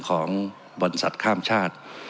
ของบรรสัตว์ข้ามชาติ